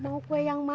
mau kueh yang mana tom